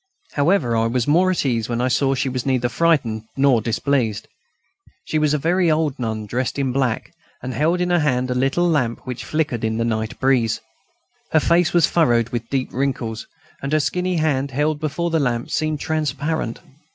However, I was more at ease when I saw she was neither frightened nor displeased. She was a very old nun, dressed in black, and held in her hand a little lamp which flickered in the night breeze. Her face was furrowed with deep wrinkles, and her skinny hand, held before the lamp, seemed transparent.